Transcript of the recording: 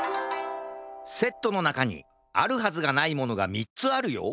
セットのなかにあるはずがないものが３つあるよ。